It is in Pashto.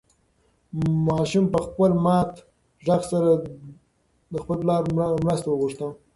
ماشوم په خپل مات غږ سره د خپل پلار مرسته وغوښته.